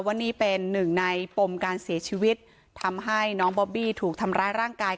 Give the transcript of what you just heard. ว่านี่เป็นหนึ่งในปมการเสียชีวิตทำให้น้องบอบบี้ถูกทำร้ายร่างกาย